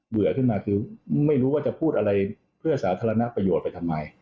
ื่อขึ้นมาคือไม่รู้ว่าจะพูดอะไรเพื่อสาธารณประโยชน์ไปทำไม